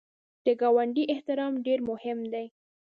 د ګاونډي احترام ډېر مهم دی